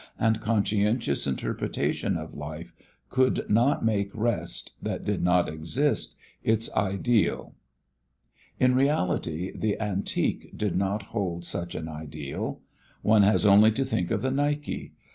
and conscientious interpretation of life could not make rest, that did not exist, its ideal. In reality the Antique did not hold such an ideal. One has only to think of the Nike.